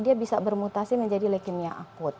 dia bisa bermutasi menjadi leukemia akut